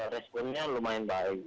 responnya lumayan baik